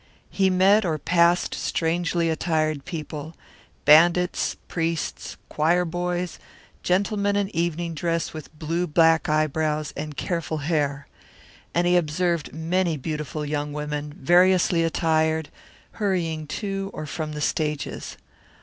He met or passed strangely attired people, bandits, priests, choir boys, gentlemen in evening dress with blue black eyebrows and careful hair. And he observed many beautiful young women, variously attired, hurrying to or from the stages.